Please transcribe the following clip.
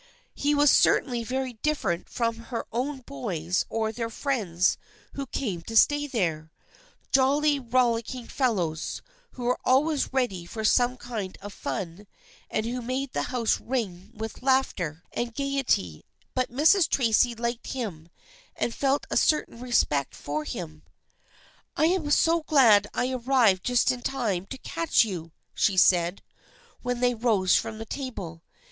He was certainly very different from her own boys or their friends who came to stay there, jolly rollick ing fellows, who were always ready for some kind of fun and who made the house ring with laughter 312 THE FRIENDSHIP OF ANNE and gaiety, but Mrs. Tracy liked him and felt a certain respect for him. " I am so glad I arrived just in time to catch you/' she said, when they rose from the table.